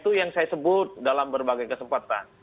itu yang saya sebut dalam berbagai kesempatan